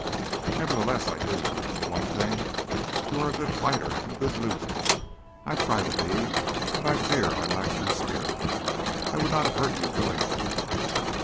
"Nevertheless, I do. For one thing, you are a good fighter and a good loser. I try to be, but I fear I lack your spirit. I would not have hurt you willingly."